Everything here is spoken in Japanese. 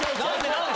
何で？